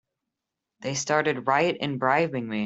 They started right in bribing me!